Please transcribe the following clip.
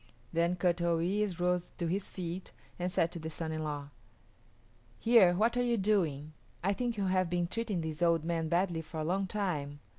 Then Kut o yis´ rose to his feet and said to the son in law, "Here, what are you doing? I think you have been treating this old man badly for a long time.